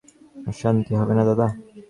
দাদা, তাতে তোমার অনিষ্ট, তোমার অশান্তি হবে না?